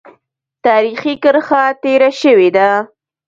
تاریخي کرښه تېره شوې ده.